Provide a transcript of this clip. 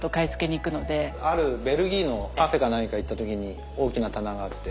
あるベルギーのカフェか何か行った時に大きな棚があって。